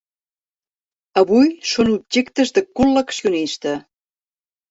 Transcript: Avui són objectes de col·leccionista.